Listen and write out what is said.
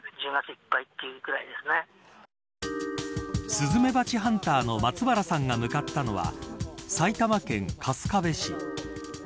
スズメバチハンターの松原さんが向かったのは埼玉県春日部市。